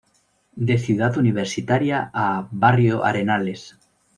De Ciudad Universitaria a barrio Arenales.